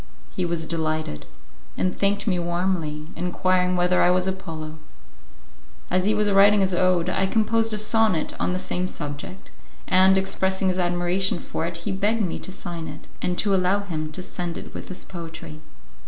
He was delighted, and thanked me warmly, inquiring whether I was Apollo. As he was writing his ode, I composed a sonnet on the same subject, and, expressing his admiration for it he begged me to sign it, and to allow him to send it with his poetry.